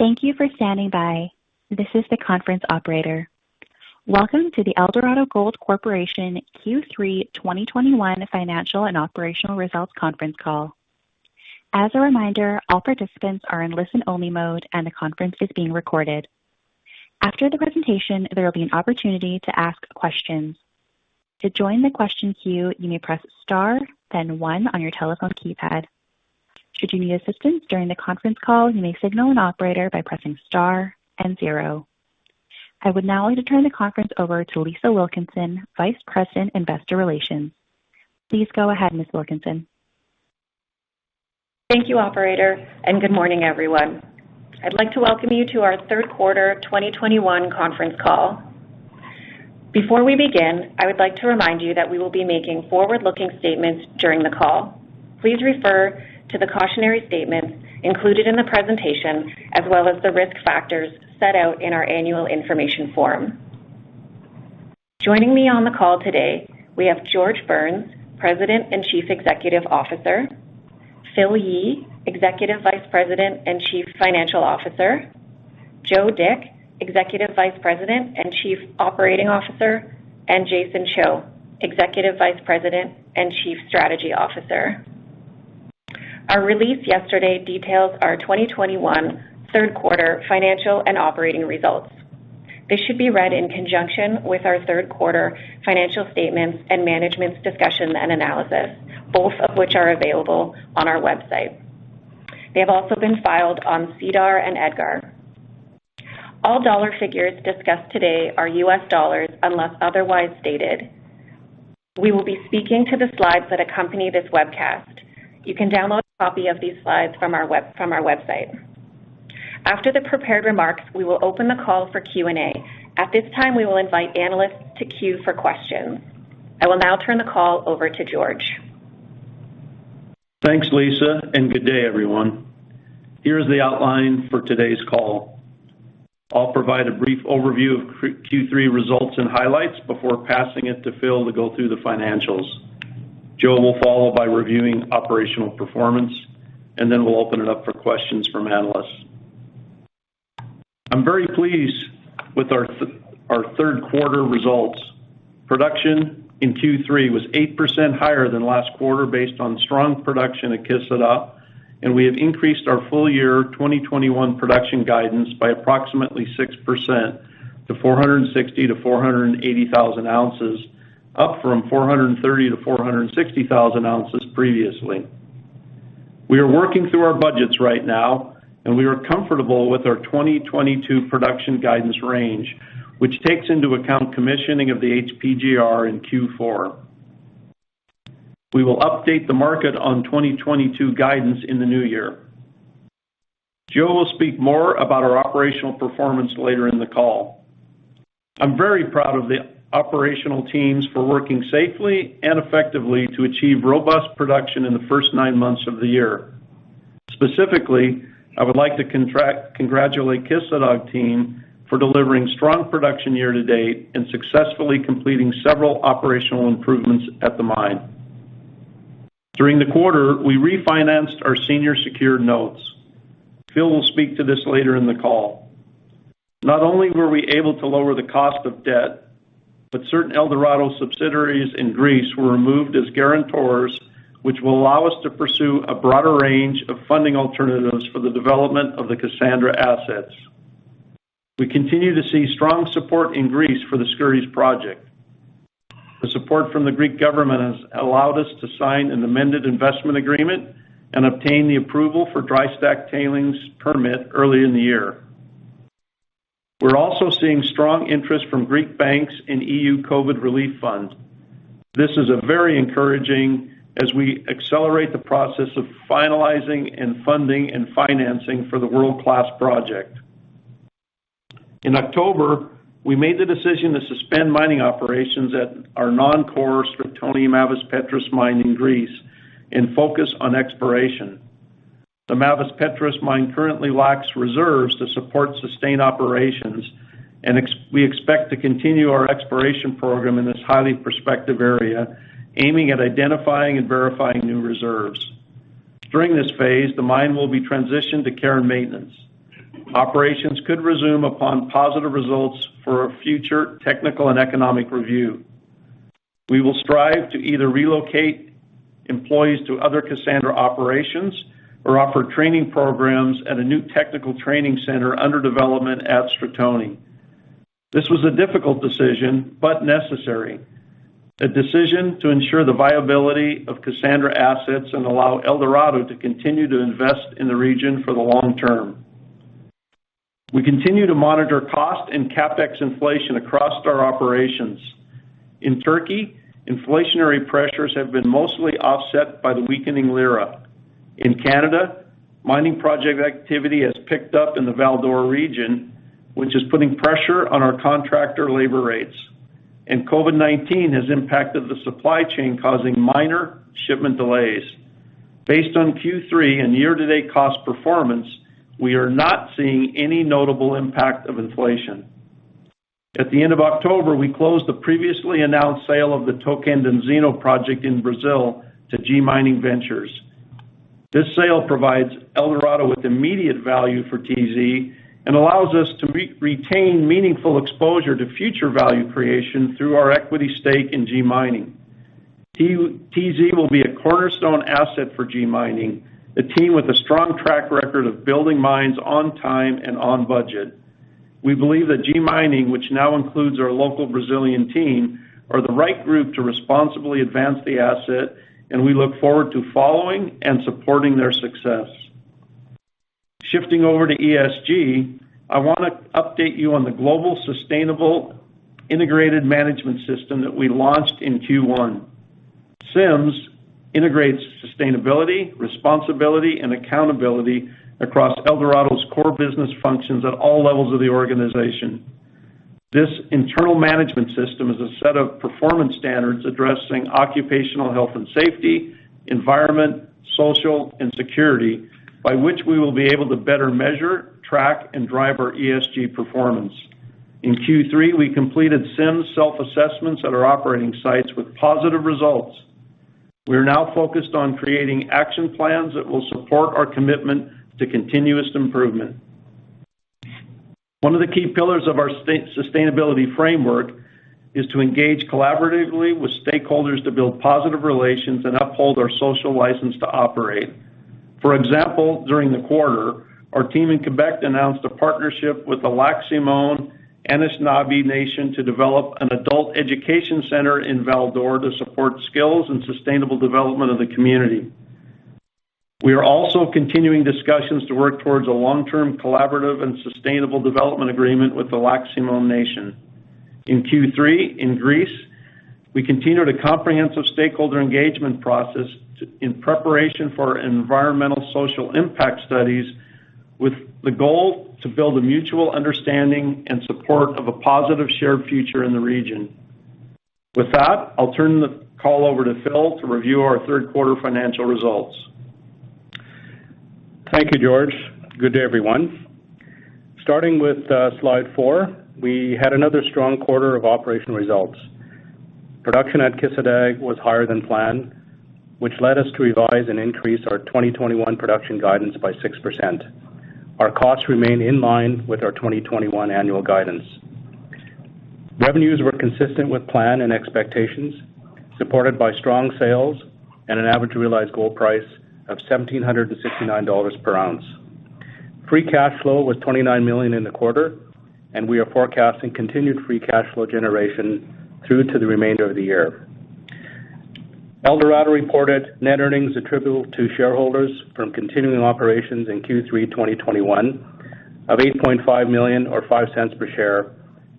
Thank you for standing by. This is the conference operator. Welcome to the Eldorado Gold Corporation Q3 2021 Financial and Operational Results Conference Call. As a reminder, all participants are in listen-only mode, and the conference is being recorded. After the presentation, there will be an opportunity to ask questions. To join the question queue, you may press star then 1 on your telephone keypad. Should you need assistance during the conference call, you may signal an operator by pressing star and zero. I would now like to turn the conference over to Lisa Wilkinson, Vice President, Investor Relations. Please go ahead, Ms. Wilkinson. Thank you, operator, and good morning, everyone. I'd like to welcome you to our third quarter 2021 conference call. Before we begin, I would like to remind you that we will be making forward-looking statements during the call. Please refer to the cautionary statements included in the presentation as well as the risk factors set out in our annual information form. Joining me on the call today, we have George Burns, President and Chief Executive Officer, Phil Yee, Executive Vice President and Chief Financial Officer, Joe Dick, Executive Vice President and Chief Operating Officer, and Jason Cho, Executive Vice President and Chief Strategy Officer. Our release yesterday details our 2021 third quarter financial and operating results. They should be read in conjunction with our third quarter financial statements and management's discussion and analysis, both of which are available on our website. They have also been filed on SEDAR and EDGAR. All dollar figures discussed today are US dollars unless otherwise stated. We will be speaking to the slides that accompany this webcast. You can download a copy of these slides from our website. After the prepared remarks, we will open the call for Q&A. At this time, we will invite analysts to queue for questions. I will now turn the call over to George. Thanks, Lisa, and good day, everyone. Here's the outline for today's call. I'll provide a brief overview of Q3 results and highlights before passing it to Phil to go through the financials. Joe will follow by reviewing operational performance, and then we'll open it up for questions from analysts. I'm very pleased with our third quarter results. Production in Q3 was 8% higher than last quarter based on strong production at Kışladağ, and we have increased our full year 2021 production guidance by approximately 6% to 460,000-480,000 ounces, up from 430,000-460,000 ounces previously. We are working through our budgets right now, and we are comfortable with our 2022 production guidance range, which takes into account commissioning of the HPGR in Q4. We will update the market on 2022 guidance in the new year. Joe will speak more about our operational performance later in the call. I'm very proud of the operational teams for working safely and effectively to achieve robust production in the first 9 months of the year. Specifically, I would like to congratulate Kışladağ team for delivering strong production year to date and successfully completing several operational improvements at the mine. During the quarter, we refinanced our senior secured notes. Phil will speak to this later in the call. Not only were we able to lower the cost of debt, but certain Eldorado subsidiaries in Greece were removed as guarantors, which will allow us to pursue a broader range of funding alternatives for the development of the Cassandra assets. We continue to see strong support in Greece for the Skouries project. The support from the Greek government has allowed us to sign an amended investment agreement and obtain the approval for dry stack tailings permit early in the year. We're also seeing strong interest from Greek banks in EU COVID relief funds. This is very encouraging as we accelerate the process of finalizing and funding and financing for the world-class project. In October, we made the decision to suspend mining operations at our non-core Stratoni Mavres Petres mine in Greece and focus on exploration. The Mavres Petres mine currently lacks reserves to support sustained operations, and we expect to continue our exploration program in this highly prospective area, aiming at identifying and verifying new reserves. During this phase, the mine will be transitioned to care and maintenance. Operations could resume upon positive results for a future technical and economic review. We will strive to either relocate employees to other Cassandra operations or offer training programs at a new technical training center under development at Stratoni. This was a difficult decision but necessary. A decision to ensure the viability of Cassandra assets and allow Eldorado to continue to invest in the region for the long term. We continue to monitor cost and CapEx inflation across our operations. In Turkey, inflationary pressures have been mostly offset by the weakening lira. In Canada, mining project activity has picked up in the Val-d'Or region, which is putting pressure on our contractor labor rates. COVID-19 has impacted the supply chain, causing minor shipment delays. Based on Q3 and year-to-date cost performance, we are not seeing any notable impact of inflation. At the end of October, we closed the previously announced sale of the Tocantinzinho project in Brazil to G Mining Ventures. This sale provides Eldorado with immediate value for TZ and allows us to retain meaningful exposure to future value creation through our equity stake in G Mining. TZ will be a cornerstone asset for G Mining, a team with a strong track record of building mines on time and on budget. We believe that G Mining, which now includes our local Brazilian team, are the right group to responsibly advance the asset, and we look forward to following and supporting their success. Shifting over to ESG, I wanna update you on the Global Sustainable Integrated Management System that we launched in Q1. GSIMS integrates sustainability, responsibility, and accountability across Eldorado's core business functions at all levels of the organization. This internal management system is a set of performance standards addressing occupational health and safety, environment, social, and security by which we will be able to better measure, track, and drive our ESG performance. In Q3, we completed GSIMS self-assessments at our operating sites with positive results. We are now focused on creating action plans that will support our commitment to continuous improvement. One of the key pillars of our SIMS sustainability framework is to engage collaboratively with stakeholders to build positive relations and uphold our social license to operate. For example, during the quarter, our team in Quebec announced a partnership with the Nation Anishnabe of Lac Simon to develop an adult education center in Val-d'Or to support skills and sustainable development of the community. We are also continuing discussions to work towards a long-term collaborative and sustainable development agreement with the Nation Anishnabe of Lac Simon. In Q3, in Greece, we continued a comprehensive stakeholder engagement process in preparation for environmental social impact studies with the goal to build a mutual understanding and support of a positive shared future in the region. With that, I'll turn the call over to Phil to review our third quarter financial results. Thank you, George. Good day, everyone. Starting with slide 4, we had another strong quarter of operational results. Production at Kışladağ was higher than planned, which led us to revise and increase our 2021 production guidance by 6%. Our costs remain in line with our 2021 annual guidance. Revenues were consistent with plan and expectations, supported by strong sales and an average realized gold price of $1,769 per ounce. Free cash flow was $29 million in the quarter, and we are forecasting continued free cash flow generation through to the remainder of the year. Eldorado reported net earnings attributable to shareholders from continuing operations in Q3 2021 of $8.5 million or $0.05 per share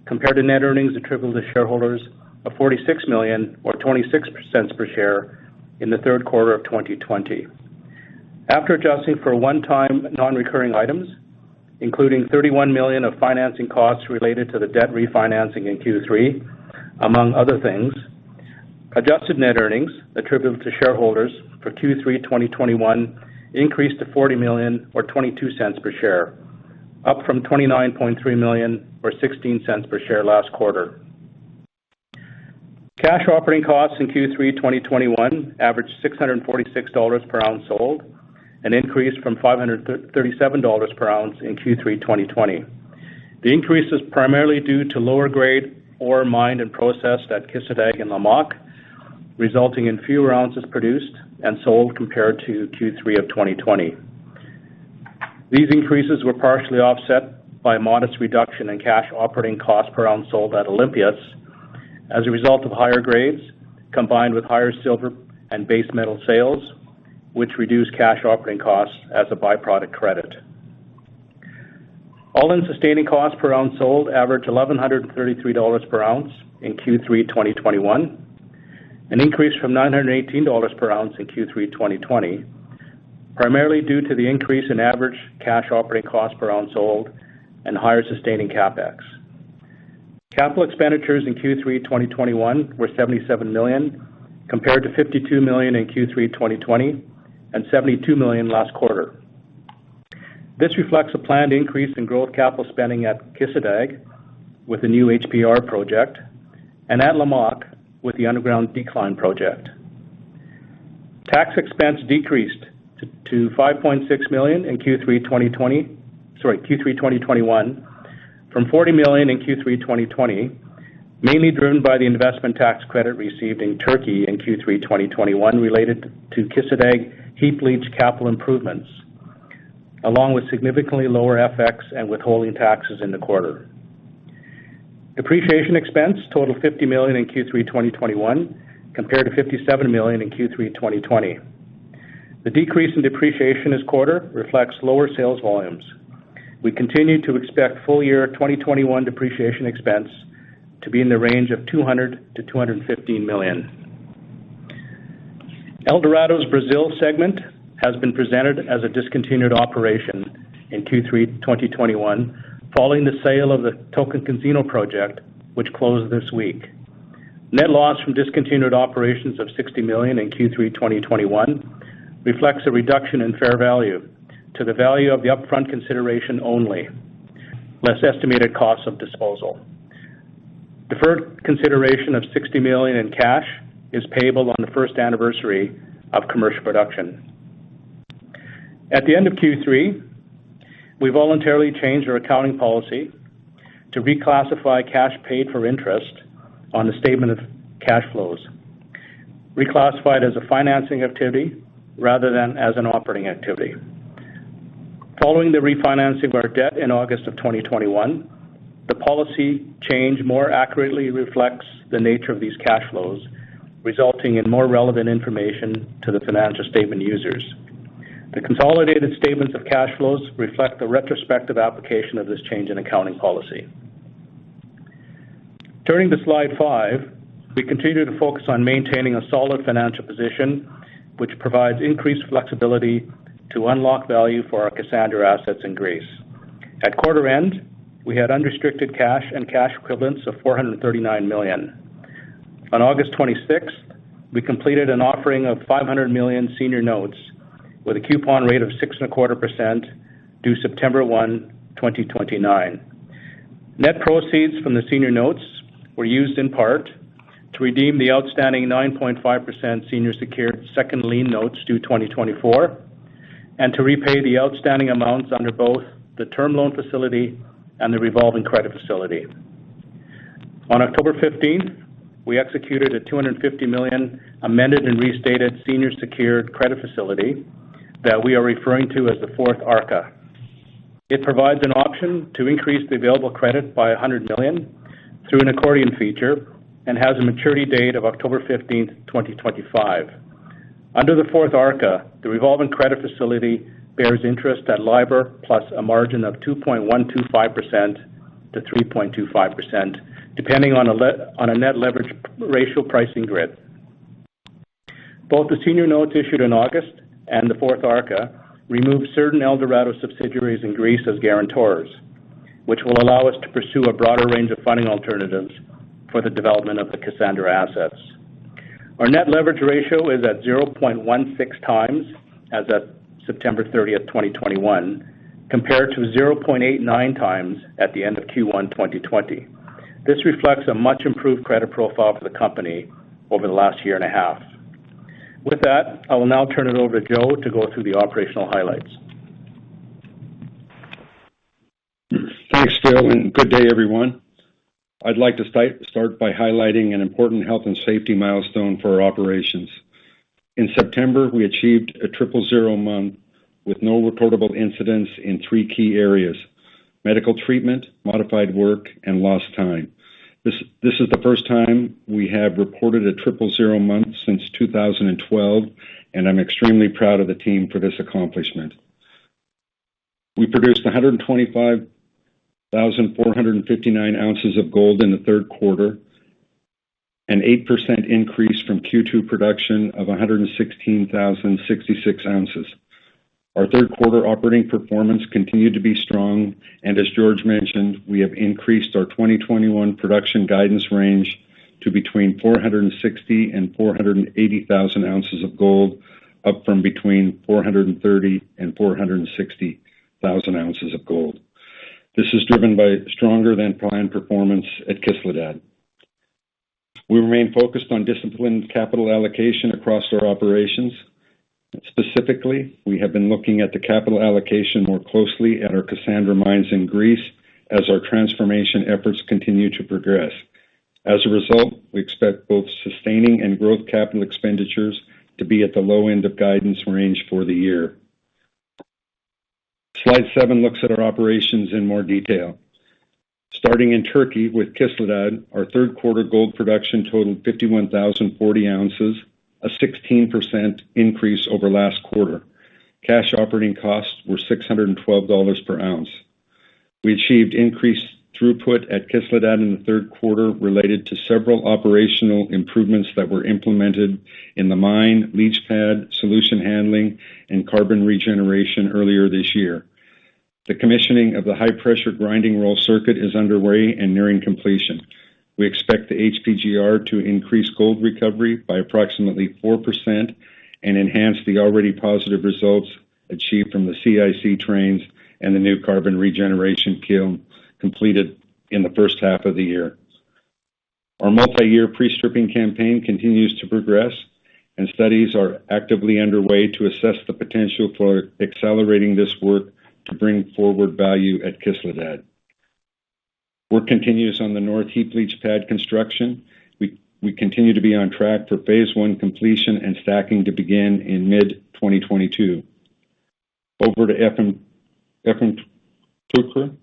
compared to net earnings attributable to shareholders of $46 million or $0.26 per share in the third quarter of 2020. After adjusting for one-time non-recurring items, including $31 million of financing costs related to the debt refinancing in Q3, among other things, adjusted net earnings attributable to shareholders for Q3 2021 increased to $40 million or $0.22 per share, up from $29.3 million or $0.16 per share last quarter. Cash operating costs in Q3 2021 averaged $646 per ounce sold, an increase from $537 per ounce in Q3 2020. The increase is primarily due to lower grade ore mined and processed at Kışladağ and Lamaque, resulting in fewer ounces produced and sold compared to Q3 of 2020. These increases were partially offset by a modest reduction in cash operating costs per ounce sold at Olympias as a result of higher grades combined with higher silver and base metal sales, which reduced cash operating costs as a by-product credit. All-in sustaining costs per ounce sold averaged $1,133 per ounce in Q3 2021, an increase from $918 per ounce in Q3 2020, primarily due to the increase in average cash operating costs per ounce sold and higher sustaining CapEx. Capital expenditures in Q3 2021 were $77 million, compared to $52 million in Q3 2020 and $72 million last quarter. This reflects a planned increase in growth capital spending at Kışladağ with the new HPGR project and at Lamaque with the underground decline project. Tax expense decreased to $5.6 million in Q3 2021 from $40 million in Q3 2020, mainly driven by the investment tax credit received in Turkey in Q3 2021 related to Kışladağ heap leach capital improvements, along with significantly lower FX and withholding taxes in the quarter. Depreciation expense totaled $50 million in Q3 2021, compared to $57 million in Q3 2020. The decrease in depreciation this quarter reflects lower sales volumes. We continue to expect full-year 2021 depreciation expense to be in the range of $200 million-$215 million. Eldorado's Brazil segment has been presented as a discontinued operation in Q3 2021, following the sale of the Tocantinzinho project, which closed this week. Net loss from discontinued operations of $60 million in Q3 2021 reflects a reduction in fair value to the value of the upfront consideration only, less estimated cost of disposal. Deferred consideration of $60 million in cash is payable on the first anniversary of commercial production. At the end of Q3, we voluntarily changed our accounting policy to reclassify cash paid for interest on the statement of cash flows, reclassified as a financing activity rather than as an operating activity. Following the refinancing of our debt in August of 2021, the policy change more accurately reflects the nature of these cash flows, resulting in more relevant information to the financial statement users. The consolidated statements of cash flows reflect the retrospective application of this change in accounting policy. Turning to slide 5, we continue to focus on maintaining a solid financial position, which provides increased flexibility to unlock value for our Kassandra assets in Greece. At quarter end, we had unrestricted cash and cash equivalents of $439 million. On August 26, we completed an offering of $500 million senior notes with a coupon rate of 6.25% due September 1, 2029. Net proceeds from the senior notes were used in part to redeem the outstanding 9.5% senior secured second lien notes due 2024, and to repay the outstanding amounts under both the term loan facility and the revolving credit facility. On October 15, we executed a $250 million amended and restated senior secured credit facility that we are referring to as the Fourth ARCA. It provides an option to increase the available credit by $100 million through an accordion feature and has a maturity date of October 15, 2025. Under the Fourth ARCA, the revolving credit facility bears interest at LIBOR, plus a margin of 2.125%-3.25%, depending on a net leverage ratio pricing grid. Both the senior notes issued in August and the Fourth ARCA removed certain Eldorado subsidiaries in Greece as guarantors, which will allow us to pursue a broader range of funding alternatives for the development of the Cassandra assets. Our net leverage ratio is at 0.16x as of September 30th, 2021, compared to 0.89x at the end of Q1 2020. This reflects a much improved credit profile for the company over the last year and a half. With that, I will now turn it over to Joe to go through the operational highlights. Thanks, George, and good day, everyone. I'd like to start by highlighting an important health and safety milestone for our operations. In September, we achieved a triple zero month with no reportable incidents in three key areas, medical treatment, modified work, and lost time. This is the first time we have reported a triple zero month since 2012, and I'm extremely proud of the team for this accomplishment. We produced 125,459 ounces of gold in the third quarter, an 8% increase from Q2 production of 116,066 ounces. Our third quarter operating performance continued to be strong, and as George mentioned, we have increased our 2021 production guidance range to between 460,000 and 480,000 ounces of gold, up from between 430,000 and 460,000 ounces of gold. This is driven by stronger than planned performance at Kışladağ. We remain focused on disciplined capital allocation across our operations. Specifically, we have been looking at the capital allocation more closely at our Cassandra mines in Greece as our transformation efforts continue to progress. As a result, we expect both sustaining and growth capital expenditures to be at the low end of guidance range for the year. Slide 7 looks at our operations in more detail. Starting in Turkey with Kışladağ, our third quarter gold production totaled 51,040 ounces, a 16% increase over last quarter. Cash operating costs were $612 per ounce. We achieved increased throughput at Kışladağ in the third quarter related to several operational improvements that were implemented in the mine, leach pad, solution handling, and carbon regeneration earlier this year. The commissioning of the high-pressure grinding roll circuit is underway and nearing completion. We expect the HPGR to increase gold recovery by approximately 4% and enhance the already positive results achieved from the CIC trains and the new carbon regeneration kiln completed in the first half of the year. Our multi-year pre-stripping campaign continues to progress, and studies are actively underway to assess the potential for accelerating this work to bring forward value at Kışladağ. Work continues on the North Heap Leach Pad construction. We continue to be on track for phase one completion and stacking to begin in mid-2022. Over to Efemçukuru.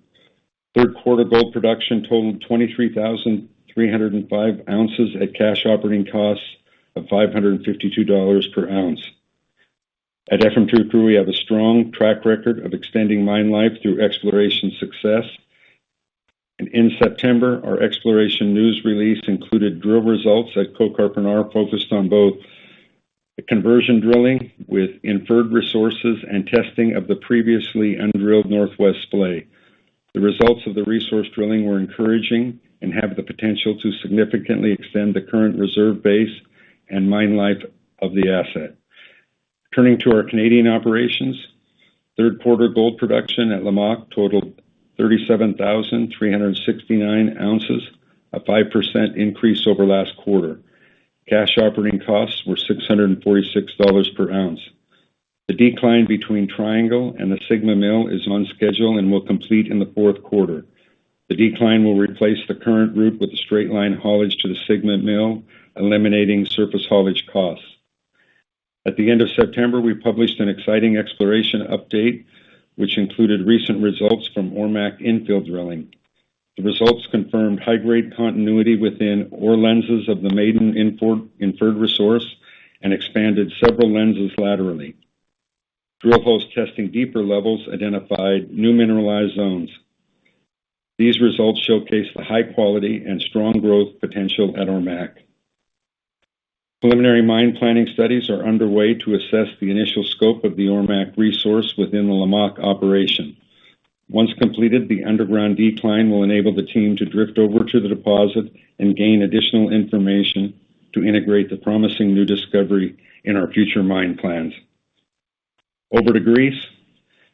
Third quarter gold production totaled 23,305 ounces at cash operating costs of $552 per ounce. At Efemçukuru, we have a strong track record of extending mine life through exploration success. In September, our exploration news release included drill results at Kokarpinar, focused on both the conversion drilling with inferred resources and testing of the previously undrilled northwest splay. The results of the resource drilling were encouraging and have the potential to significantly extend the current reserve base and mine life of the asset. Turning to our Canadian operations. Third quarter gold production at Lamaque totaled 37,369 ounces, a 5% increase over last quarter. Cash operating costs were $646 per ounce. The decline between Triangle and the Sigma Mill is on schedule and will complete in the fourth quarter. The decline will replace the current route with a straight line haulage to the Sigma Mill, eliminating surface haulage costs. At the end of September, we published an exciting exploration update, which included recent results from Ormaque infill drilling. The results confirmed high-grade continuity within ore lenses of the maiden initial inferred resource and expanded several lenses laterally. Drill holes testing deeper levels identified new mineralized zones. These results showcased the high quality and strong growth potential at Ormaque. Preliminary mine planning studies are underway to assess the initial scope of the Ormaque resource within the Lamaque operation. Once completed, the underground decline will enable the team to drift over to the deposit and gain additional information to integrate the promising new discovery in our future mine plans. Over to Greece.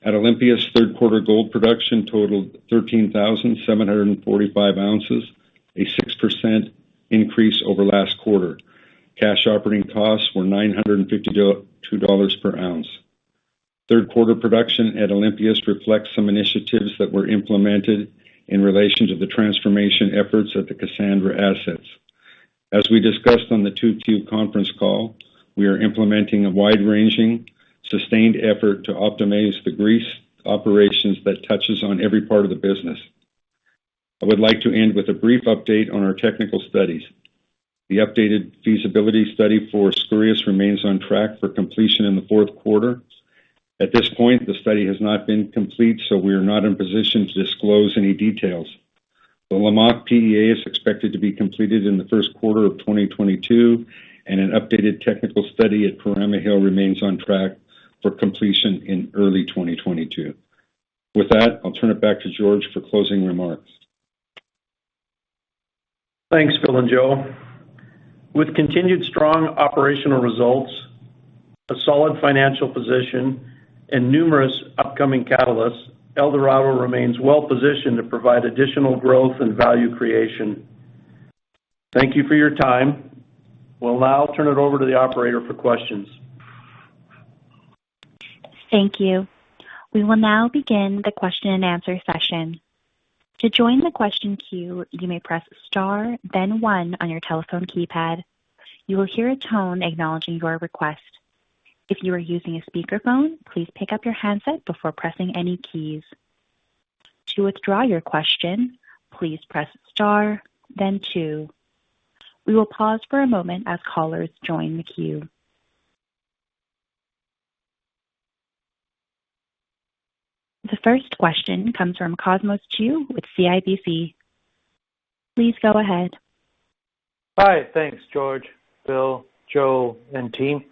At Olympias, third quarter gold production totaled 13,745 ounces, a 6% increase over last quarter. Cash operating costs were $952 per ounce. Third quarter production at Olympias reflects some initiatives that were implemented in relation to the transformation efforts of the Cassandra assets. As we discussed on the 2Q conference call, we are implementing a wide-ranging, sustained effort to optimize the Greece operations that touches on every part of the business. I would like to end with a brief update on our technical studies. The updated feasibility study for Skouries remains on track for completion in the fourth quarter. At this point, the study has not been complete, so we are not in position to disclose any details. The Lamaque PEA is expected to be completed in the first quarter of 2022, and an updated technical study at Perama Hill remains on track for completion in early 2022. With that, I'll turn it back to George for closing remarks. Thanks, Phil and Joe. With continued strong operational results, a solid financial position, and numerous upcoming catalysts, Eldorado remains well-positioned to provide additional growth and value creation. Thank you for your time. I will now turn it over to the operator for questions. Thank you. We will now begin the question-and-answer session. To join the question queue, you may press star then one on your telephone keypad. You will hear a tone acknowledging your request. If you are using a speakerphone, please pick up your handset before pressing any keys. To withdraw your question, please press star then two. We will pause for a moment as callers join the queue. The first question comes from Cosmos Chiu with CIBC. Please go ahead. Hi. Thanks, George, Phil, Joe, and team.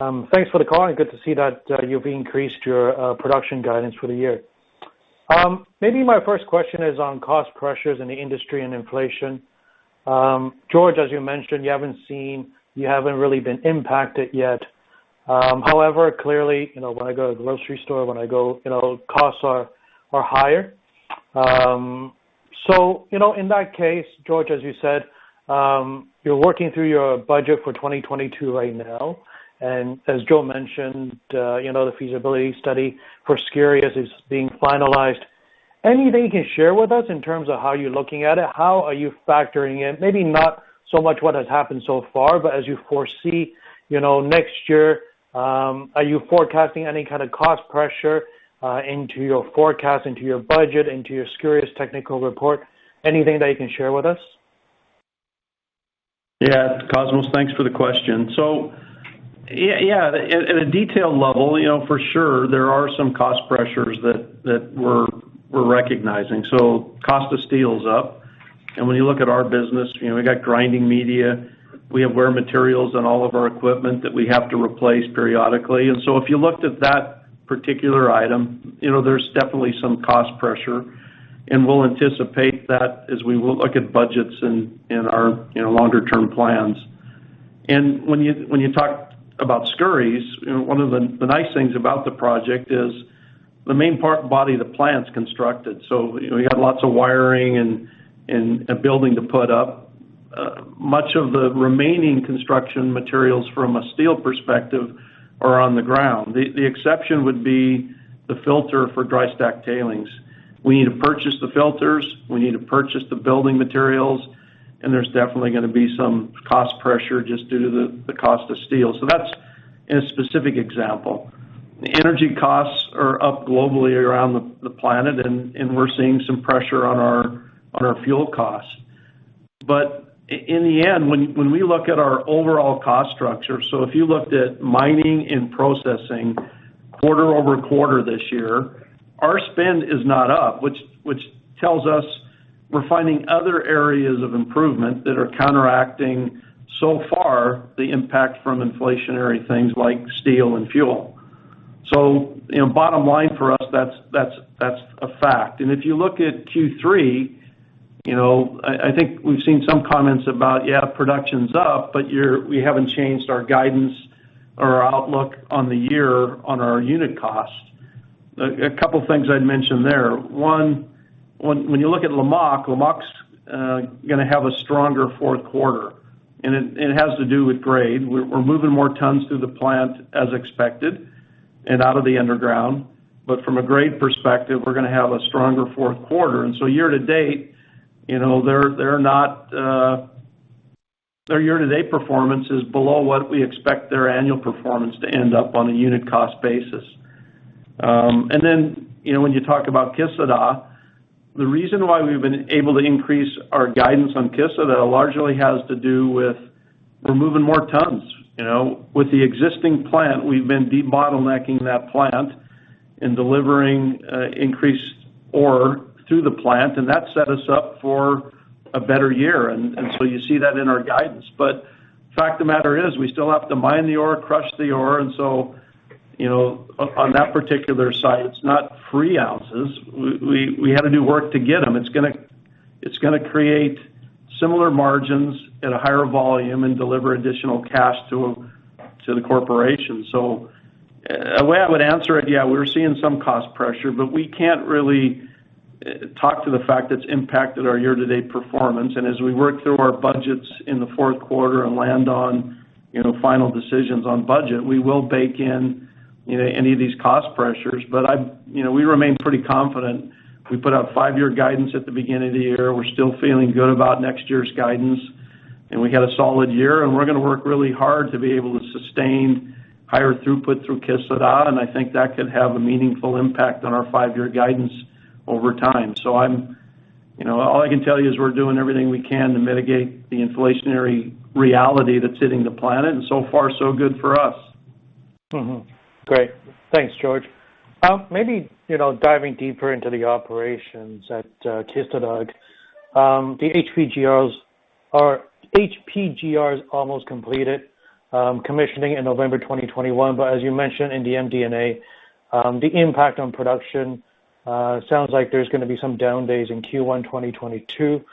Thanks for the call, and good to see that you've increased your production guidance for the year. Maybe my first question is on cost pressures in the industry and inflation. George, as you mentioned, you haven't really been impacted yet. However, clearly, you know, when I go to the grocery store, you know, costs are higher. You know, in that case, George, as you said, you're working through your budget for 2022 right now, and as Joe mentioned, you know, the feasibility study for Skouries is being finalized. Anything you can share with us in terms of how you're looking at it? How are you factoring in, maybe not so much what has happened so far, but as you foresee, you know, next year, are you forecasting any kind of cost pressure, into your forecast, into your budget, into your Skouries technical report? Anything that you can share with us? Yeah. Cosmos, thanks for the question. Yeah, at a detail level, you know, for sure there are some cost pressures that we're recognizing. Cost of steel is up, and when you look at our business, you know, we got grinding media. We have wear materials on all of our equipment that we have to replace periodically. If you looked at that particular item, you know, there's definitely some cost pressure, and we'll anticipate that as we will look at budgets in our, you know, longer term plans. When you talk about Skouries, you know, one of the nice things about the project is the main part body of the plant's constructed. You know, you have lots of wiring and a building to put up. Much of the remaining construction materials from a steel perspective are on the ground. The exception would be the filter for dry stack tailings. We need to purchase the filters, we need to purchase the building materials, and there's definitely gonna be some cost pressure just due to the cost of steel. That's a specific example. The energy costs are up globally around the planet and we're seeing some pressure on our fuel costs. In the end, when we look at our overall cost structure, if you looked at mining and processing quarter-over-quarter this year, our spend is not up, which tells us we're finding other areas of improvement that are counteracting so far the impact from inflationary things like steel and fuel. You know, bottom line for us, that's a fact. If you look at Q3, I think we've seen some comments about, yeah, production's up, but we haven't changed our guidance or our outlook on the year on our unit cost. A couple things I'd mention there. One, when you look at Lamaque's gonna have a stronger fourth quarter, and it has to do with grade. We're moving more tons through the plant as expected and out of the underground. But from a grade perspective, we're gonna have a stronger fourth quarter. Year to date, they're not, their year-to-date performance is below what we expect their annual performance to end up on a unit cost basis. you know, when you talk about Kışladağ, the reason why we've been able to increase our guidance on Kışladağ largely has to do with we're moving more tons, you know. With the existing plant, we've been debottlenecking that plant and delivering increased ore through the plant, and that set us up for a better year. you see that in our guidance. But fact of the matter is, we still have to mine the ore, crush the ore, and so, you know, on that particular site, it's not free ounces. We had to do work to get them. It's gonna create similar margins at a higher volume and deliver additional cash to the corporation. A way I would answer it, yeah, we're seeing some cost pressure, but we can't really talk to the fact it's impacted our year-to-date performance. As we work through our budgets in the fourth quarter and land on, you know, final decisions on budget, we will bake in, you know, any of these cost pressures. I've, you know, we remain pretty confident. We put out five-year guidance at the beginning of the year. We're still feeling good about next year's guidance, and we had a solid year, and we're gonna work really hard to be able to sustain higher throughput through Kışladağ, and I think that could have a meaningful impact on our five-year guidance over time. I'm, you know, all I can tell you is we're doing everything we can to mitigate the inflationary reality that's hitting the planet, and so far so good for us. Great. Thanks, George. Maybe you know diving deeper into the operations at Kışladağ. The HPGR is almost completed commissioning in November 2021. As you mentioned in the MD&A, the impact on production sounds like there's gonna be some down days in Q1 2022.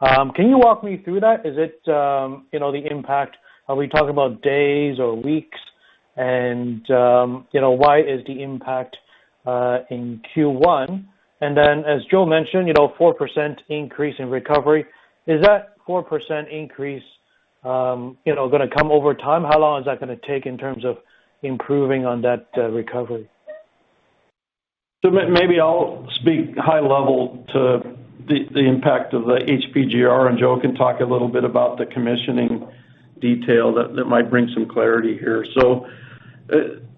Can you walk me through that? Is it you know the impact? Are we talking about days or weeks? And you know why is the impact in Q1? And then as Joe mentioned you know 4% increase in recovery. Is that 4% increase you know gonna come over time? How long is that gonna take in terms of improving on that recovery? Maybe I'll speak high level to the impact of the HPGR, and Joe can talk a little bit about the commissioning detail that might bring some clarity here.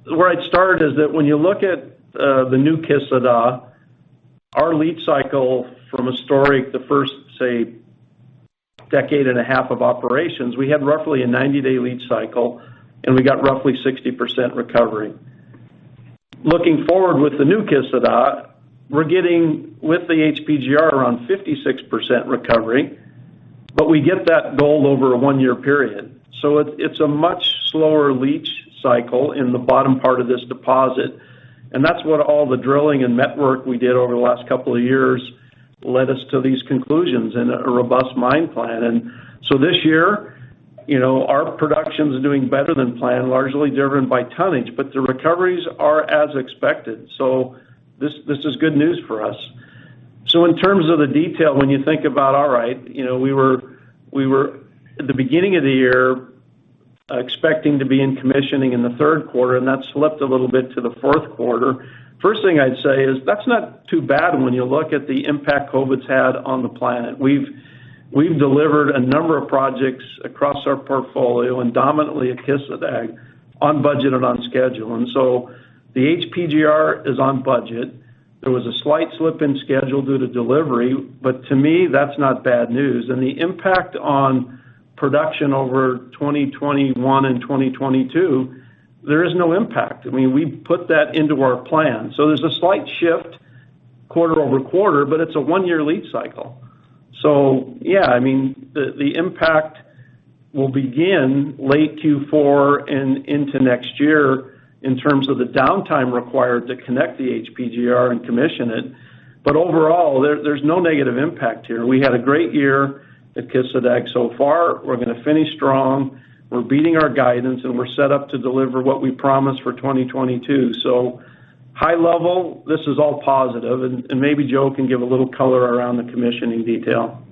Where I'd start is that when you look at the new Kışladağ, our leach cycle from historical, the first, say, decade and a half of operations, we had roughly a 90-day leach cycle, and we got roughly 60% recovery. Looking forward with the new Kışladağ, we're getting, with the HPGR, around 56% recovery, but we get that gold over a 1-year period. It's a much slower leach cycle in the bottom part of this deposit, and that's what all the drilling and work we did over the last couple of years led us to these conclusions in a robust mine plan. This year, you know, our production's doing better than planned, largely driven by tonnage, but the recoveries are as expected, so this is good news for us. In terms of the detail, when you think about, all right, you know, we were at the beginning of the year expecting to be in commissioning in the third quarter, and that slipped a little bit to the fourth quarter. First thing I'd say is that's not too bad when you look at the impact COVID's had on the planet. We've delivered a number of projects across our portfolio and dominantly at Kışladağ on budget and on schedule. The HPGR is on budget. There was a slight slip in schedule due to delivery, but to me, that's not bad news. The impact on production over 2021 and 2022, there is no impact. I mean, we put that into our plan. There's a slight shift quarter-over-quarter, but it's a one-year leach cycle. Yeah, I mean, the impact will begin late Q4 and into next year in terms of the downtime required to connect the HPGR and commission it. Overall, there's no negative impact here. We had a great year at Kışladağ so far. We're gonna finish strong. We're beating our guidance, and we're set up to deliver what we promised for 2022. High level, this is all positive and maybe Joe can give a little color around the commissioning detail.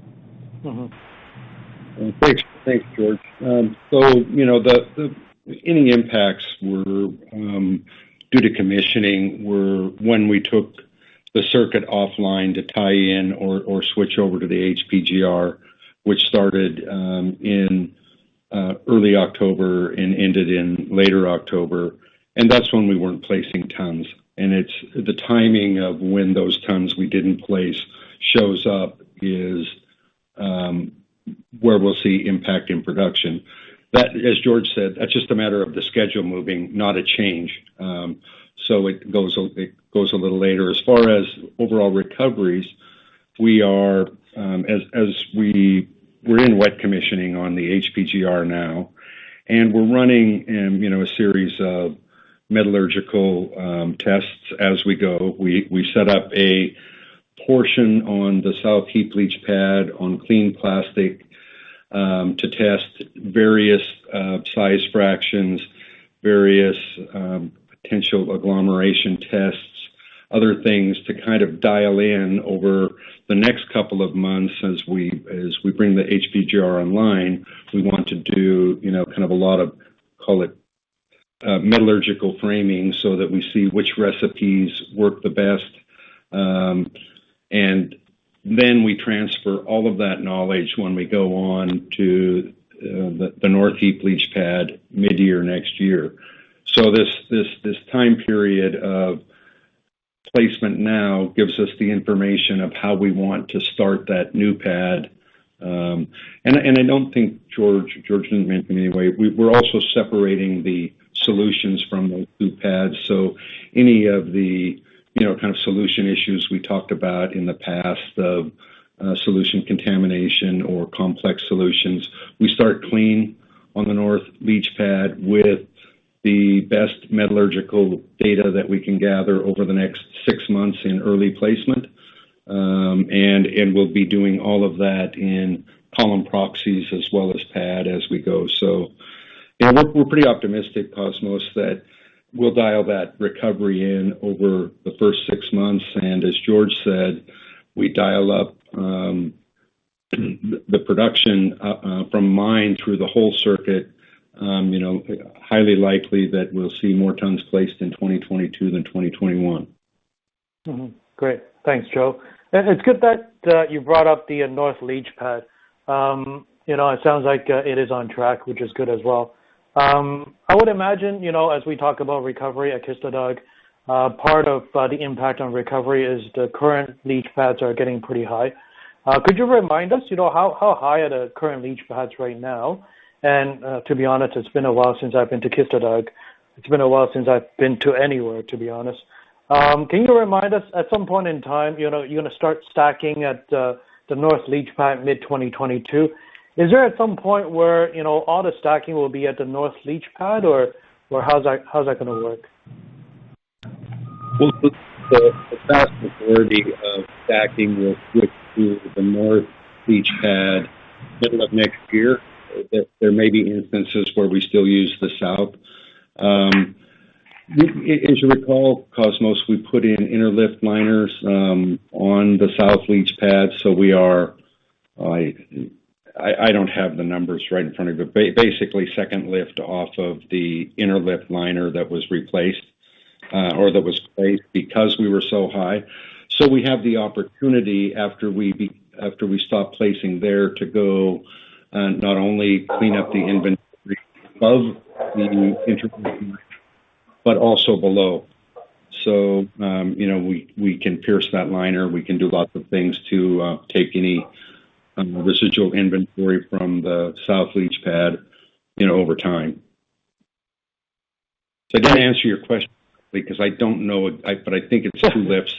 Mm-hmm. Thanks. Thanks, George. So, you know, the any impacts were due to commissioning were when we took the circuit offline to tie in or switch over to the HPGR, which started in early October and ended in later October, and that's when we weren't placing tons. It's the timing of when those tons we didn't place shows up is where we'll see impact in production. That, as George said, that's just a matter of the schedule moving, not a change. It goes a little later. As far as overall recoveries, we are as we-- we're in wet commissioning on the HPGR now, and we're running, you know, a series of metallurgical tests as we go. We set up a portion on the South heap leach pad on clean plastic to test various size fractions, various potential agglomeration tests, other things to kind of dial in over the next couple of months as we bring the HPGR online. We want to do, you know, kind of a lot of, call it, metallurgical framing so that we see which recipes work the best. We transfer all of that knowledge when we go on to the North heap leach pad mid-year next year. This time period of placement now gives us the information of how we want to start that new pad. I don't think George didn't mention it in any way. We're also separating the solutions from those two pads, so any of the, you know, kind of solution issues we talked about in the past of solution contamination or complex solutions, we start clean on the North leach pad with the best metallurgical data that we can gather over the next six months in early placement. And we'll be doing all of that in column proxies as well as pad as we go. Yeah, we're pretty optimistic, Cosmos, that we'll dial that recovery in over the first six months. As George said, we dial up the production from mine through the whole circuit, you know, highly likely that we'll see more tons placed in 2022 than 2021. Mm-hmm. Great. Thanks, Joe. It's good that you brought up the North leach pad. You know, it sounds like it is on track, which is good as well. I would imagine, you know, as we talk about recovery at Kışladağ, part of the impact on recovery is the current leach pads are getting pretty high. Could you remind us, you know, how high are the current leach pads right now? And, to be honest, it's been a while since I've been to Kışladağ. It's been a while since I've been to anywhere, to be honest. Can you remind us at some point in time, you know, you're gonna start stacking at the North leach pad mid-2022. Is there at some point where, you know, all the stacking will be at the North leach pad, or how's that gonna work? Well, the vast majority of stacking will switch to the North leach pad middle of next year. There may be instances where we still use the South. As you recall, Cosmos, we put in inner lift liner on the South leach pad. So, I don't have the numbers right in front of me, but basically second lift off of the inner lift liner that was replaced or that was placed because we were so high. So we have the opportunity after we stop placing there to go, not only clean up the inventory above the inner lift, but also below. So, you know, we can pierce that liner. We can do lots of things to take any residual inventory from the South leach pad, you know, over time. I didn't answer your question because I don't know, but I think it's two lifts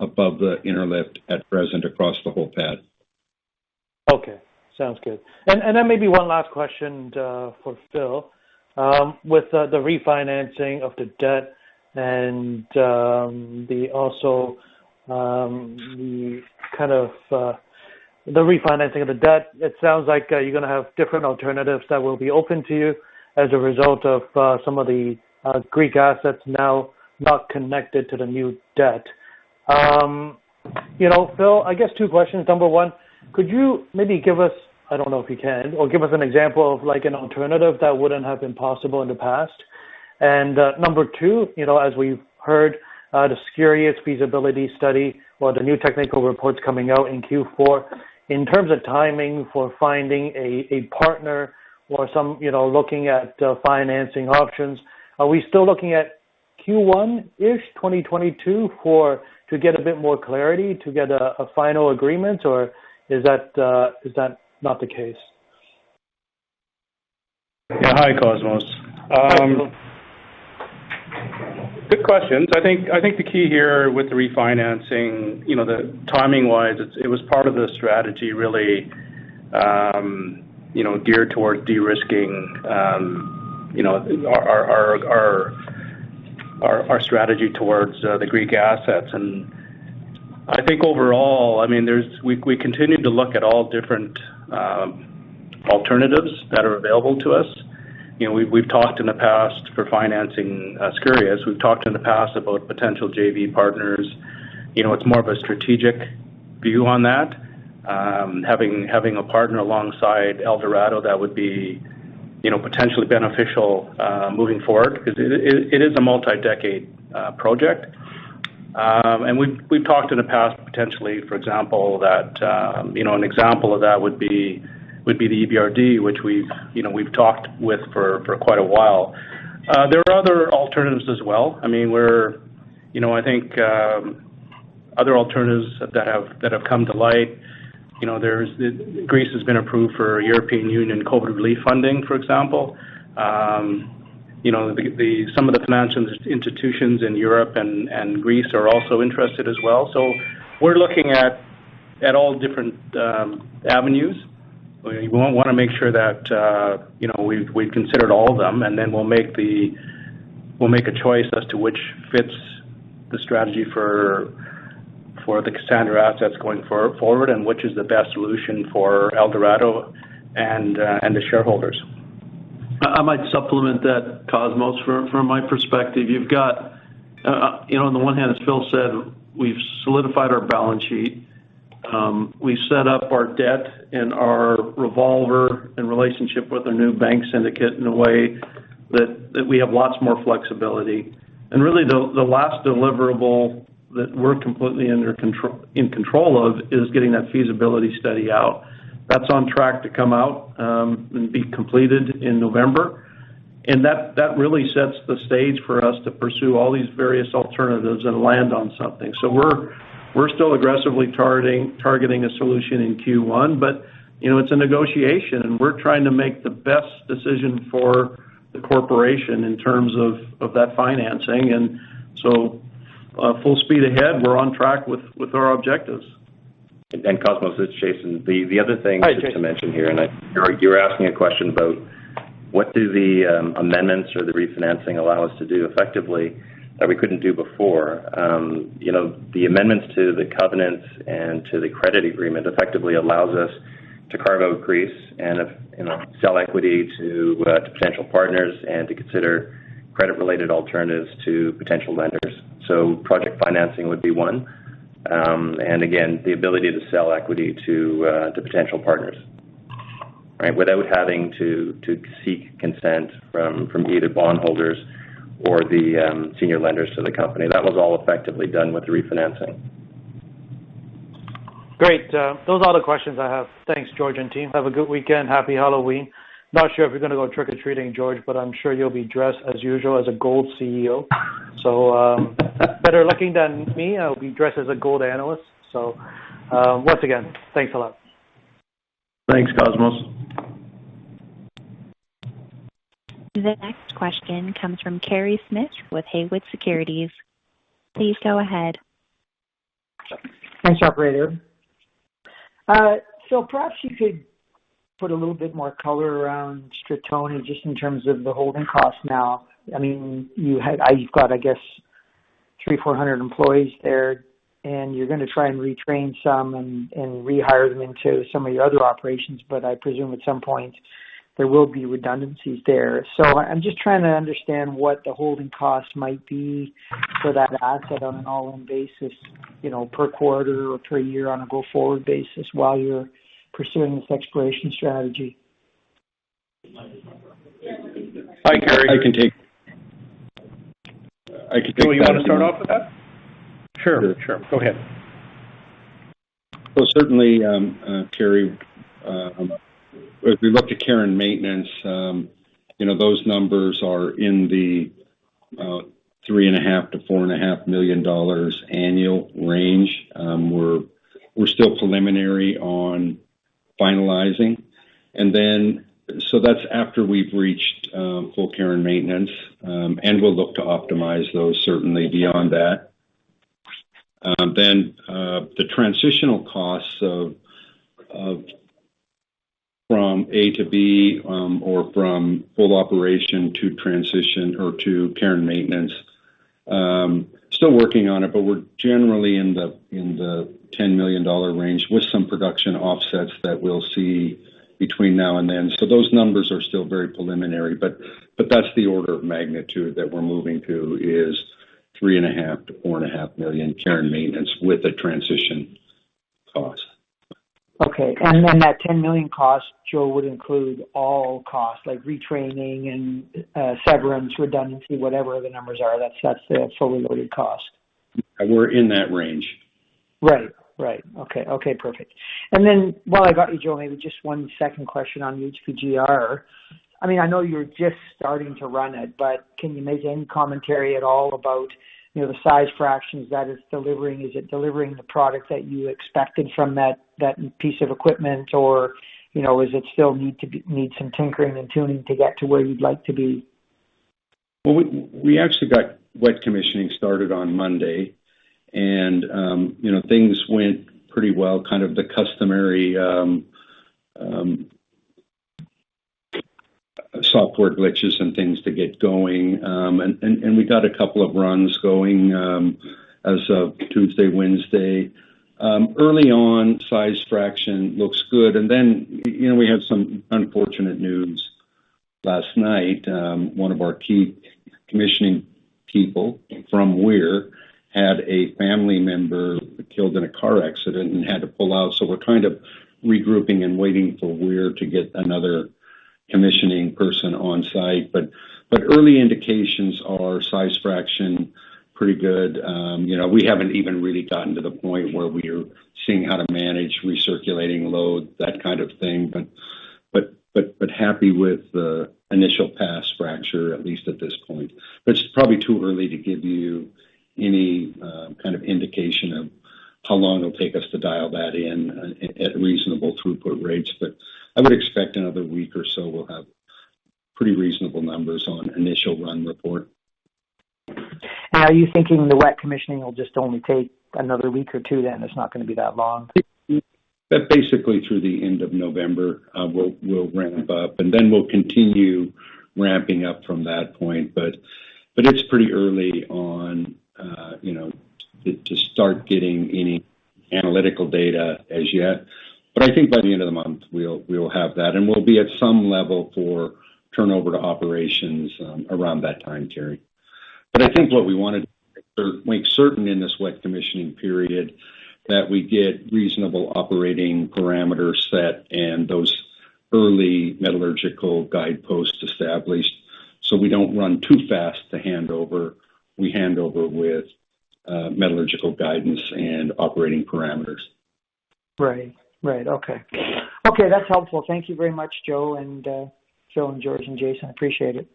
above the inner lift at present across the whole pad. Okay. Sounds good. Then maybe one last question for Phil. With the refinancing of the debt and also the kind of refinancing of the debt, it sounds like you're gonna have different alternatives that will be open to you as a result of some of the Greek assets now not connected to the new debt. You know, Phil, I guess two questions. Number one, could you maybe give us, I don't know if you can, or give us an example of like an alternative that wouldn't have been possible in the past? Number two, you know, as we've heard, the Skouries feasibility study or the new technical reports coming out in Q4, in terms of timing for finding a partner or some, you know, looking at financing options, are we still looking at Q1-ish 2022 for to get a bit more clarity, to get a final agreement, or is that not the case? Yeah. Hi, Cosmos. Hi, Phil. Good questions. I think the key here with the refinancing, you know, the timing-wise, it was part of the strategy really, you know, geared towards de-risking, you know, our strategy towards the Greek assets. I think overall, I mean, we continue to look at all different alternatives that are available to us. You know, we've talked in the past for financing Skouries. We've talked in the past about potential JV partners. You know, it's more of a strategic view on that. Having a partner alongside Eldorado, that would be, you know, potentially beneficial moving forward because it is a multi-decade project. We've talked in the past potentially. For example, you know, an example of that would be the EBRD, which we've talked with for quite a while. There are other alternatives as well. I mean, you know, I think other alternatives that have come to light, you know, there's Greece has been approved for European Union COVID relief funding, for example. You know, some of the financial institutions in Europe and Greece are also interested as well. We're looking at all different avenues. We want to make sure that, you know, we've considered all of them, and then we'll make the We'll make a choice as to which fits the strategy for the Cassandra assets going forward and which is the best solution for Eldorado and the shareholders. I might supplement that, Cosmos Chiu, from my perspective. You've got, you know, on the one hand, as Phil said, we've solidified our balance sheet. We set up our debt and our revolver and relationship with a new bank syndicate in a way that we have lots more flexibility. Really, the last deliverable that we're completely in control of is getting that feasibility study out. That's on track to come out and be completed in November. That really sets the stage for us to pursue all these various alternatives and land on something. We're still aggressively targeting a solution in Q1, but you know, it's a negotiation, and we're trying to make the best decision for the corporation in terms of that financing. Full speed ahead, we're on track with our objectives. Cosmos, it's Jason. The other thing. Hi, Jason. Just to mention here. You were asking a question about what do the amendments or the refinancing allow us to do effectively that we couldn't do before. You know, the amendments to the covenants and to the credit agreement effectively allows us to carve out Greece and, you know, sell equity to potential partners and to consider credit-related alternatives to potential lenders. Project financing would be one. Again, the ability to sell equity to potential partners. Right. Without having to seek consent from either bondholders or the senior lenders to the company. That was all effectively done with the refinancing. Great. Those are all the questions I have. Thanks, George and team. Have a good weekend. Happy Halloween. Not sure if you're gonna go trick-or-treating, George, but I'm sure you'll be dressed as usual as a gold CEO. That's better lucky than me. I'll be dressed as a gold analyst. Once again, thanks a lot. Thanks, Cosmos. The next question comes from Kerry Smith with Haywood Securities. Please go ahead. Thanks, operator. Perhaps you could put a little bit more color around Stratoni just in terms of the holding cost now. I mean, you've got, I guess, 300-400 employees there, and you're gonna try and retrain some and rehire them into some of your other operations. But I presume at some point there will be redundancies there. I'm just trying to understand what the holding cost might be for that asset on an all-in basis, you know, per quarter or per year on a go-forward basis while you're pursuing this exploration strategy. Hi, Kerry. I can take that one. Joe, you wanna start off with that? Sure. Sure. Go ahead. Well, certainly, Kerry, if we look at care and maintenance, you know, those numbers are in the $3.5 million-$4.5 million annual range. We're still preliminary on finalizing. That's after we've reached full care and maintenance, and we'll look to optimize those certainly beyond that. The transitional costs of from A to B, or from full operation to transition or to care and maintenance, still working on it, but we're generally in the $10 million range with some production offsets that we'll see between now and then. Those numbers are still very preliminary, but that's the order of magnitude that we're moving to, is $3.5 million-$4.5 million care and maintenance with a transition cost. Okay. Then that $10 million cost, Joe, would include all costs like retraining and severance, redundancy, whatever the numbers are, that's the fully loaded cost. We're in that range. Right. Okay, perfect. While I got you, Joe, maybe just one second question on HPGR. I mean, I know you're just starting to run it, but can you make any commentary at all about, you know, the size fractions that it's delivering? Is it delivering the product that you expected from that piece of equipment? Or, you know, is it still need some tinkering and tuning to get to where you'd like to be? Well, we actually got wet commissioning started on Monday, and you know, things went pretty well, kind of the customary software glitches and things to get going. We got a couple of runs going as of Tuesday, Wednesday. Early on, size fraction looks good. Then, you know, we had some unfortunate news last night. One of our key commissioning people from Weir had a family member killed in a car accident and had to pull out. So we're kind of regrouping and waiting for Weir to get another commissioning person on site. Early indications are size fraction pretty good. You know, we haven't even really gotten to the point where we're seeing how to manage recirculating load, that kind of thing, but happy with the initial pass fracture, at least at this point. It's probably too early to give you any kind of indication of how long it'll take us to dial that in at reasonable throughput rates. I would expect another week or so, we'll have pretty reasonable numbers on initial run report. Are you thinking the wet commissioning will just only take another week or two? Then it's not gonna be that long? That basically through the end of November, we'll ramp up, and then we'll continue ramping up from that point. It's pretty early on, you know, to start getting any analytical data as yet. I think by the end of the month, we'll have that, and we'll be at some level for turnover to operations, around that time, Kerry. I think what we wanted to make certain in this wet commissioning period, that we get reasonable operating parameters set and those early metallurgical guideposts established, so we don't run too fast to hand over. We hand over with metallurgical guidance and operating parameters. Right. Okay, that's helpful. Thank you very much, Joe and George and Jason. Appreciate it.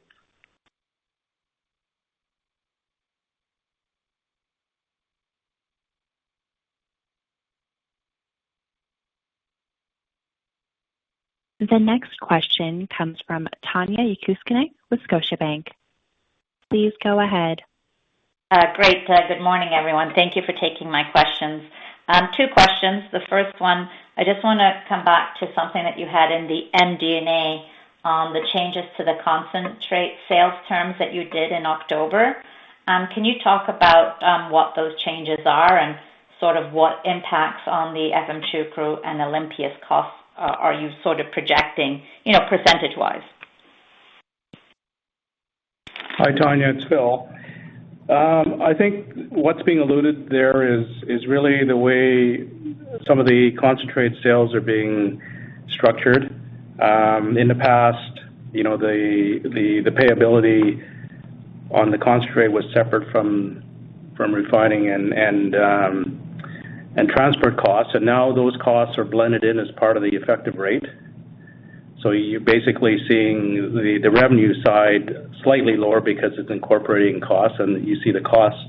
The next question comes from Tanya Jakusconek with Scotiabank. Please go ahead. Great. Good morning, everyone. Thank you for taking my questions. Two questions. The first one, I just wanna come back to something that you had in the MD&A, the changes to the concentrate sales terms that you did in October. Can you talk about what those changes are and sort of what impacts on the Efemçukuru and Olympias costs are you sort of projecting, you know, percentage-wise? Hi, Tanya, it's Phil. I think what's being alluded there is really the way some of the concentrate sales are being structured. In the past, you know, the payability on the concentrate was separate from refining and transport costs, and now those costs are blended in as part of the effective rate. You're basically seeing the revenue side slightly lower because it's incorporating costs, and you see the costs.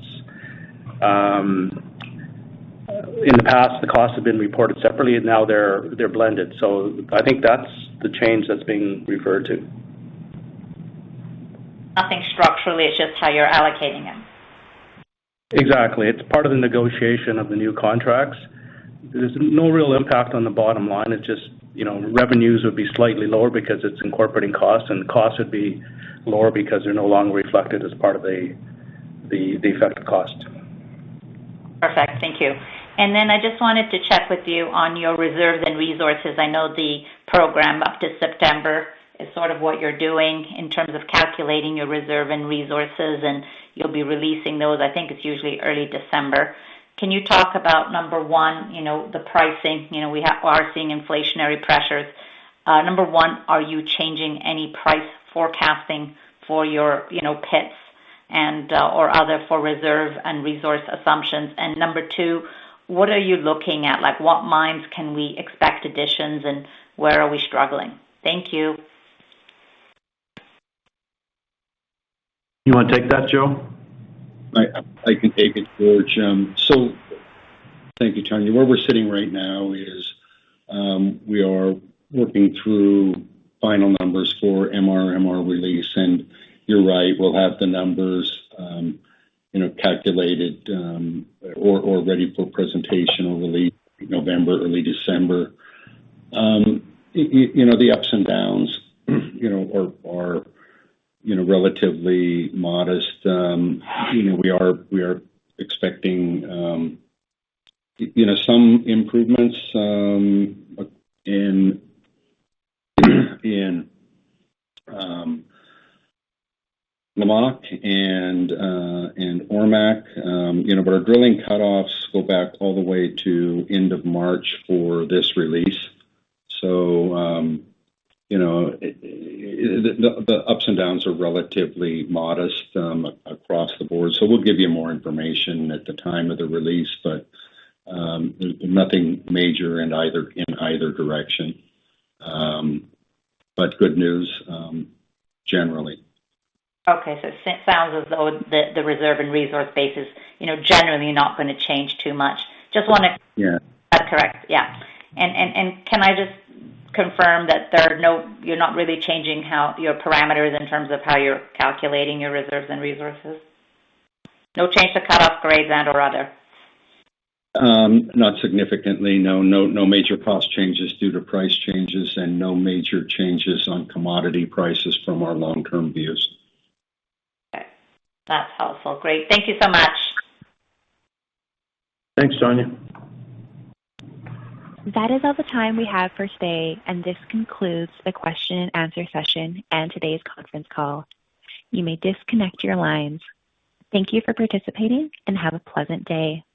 In the past, the costs have been reported separately, and now they're blended. I think that's the change that's being referred to. Nothing structurally, it's just how you're allocating it. Exactly. It's part of the negotiation of the new contracts. There's no real impact on the bottom line. It's just, you know, revenues would be slightly lower because it's incorporating costs, and costs would be lower because they're no longer reflected as part of the effective cost. Perfect. Thank you. Then I just wanted to check with you on your reserves and resources. I know the program up to September is sort of what you're doing in terms of calculating your reserve and resources, and you'll be releasing those. I think it's usually early December. Can you talk about, number one, you know, the pricing? You know, we are seeing inflationary pressures. Number one, are you changing any price forecasting for your, you know, pits and, or other for reserve and resource assumptions? Number two, what are you looking at? Like, what mines can we expect additions and where are we struggling? Thank you. You wanna take that, Joe? I can take it, George. Thank you, Tanya. Where we're sitting right now is, we are working through final numbers for MRMR release. You're right, we'll have the numbers calculated, or ready for presentation or release November, early December. You know, the ups and downs are relatively modest. We are expecting, you know, some improvements in Lamaque and Ormaque. But our drilling cutoffs go back all the way to end of March for this release. The ups and downs are relatively modest across the board. We'll give you more information at the time of the release, but nothing major in either direction. But good news generally. Okay. It sounds as though the reserve and resource base is, you know, generally not gonna change too much. Just wanna Yeah. That's correct. Yeah. Can I just confirm that you're not really changing how your parameters in terms of how you're calculating your reserves and resources? No change to cut-off grades then or other? Not significantly, no. No major cost changes due to price changes and no major changes on commodity prices from our long-term views. Okay. That's helpful. Great. Thank you so much. Thanks, Tanya. That is all the time we have for today, and this concludes the question-and-answer session and today's conference call. You may disconnect your lines. Thank you for participating, and have a pleasant day.